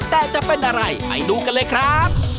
แต่จะเป็นอะไรไปดูกันเลยครับ